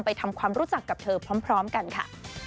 ทำความรู้จักกับเธอพร้อมกันค่ะ